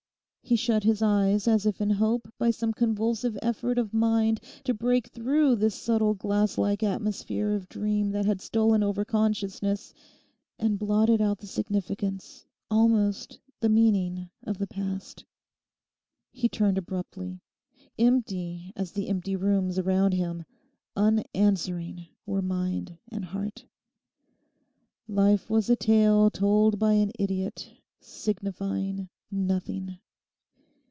He shut his eyes as if in hope by some convulsive effort of mind to break through this subtle glasslike atmosphere of dream that had stolen over consciousness, and blotted out the significance, almost the meaning of the past. He turned abruptly. Empty as the empty rooms around him, unanswering were mind and heart. Life was a tale told by an idiot—signifying nothing.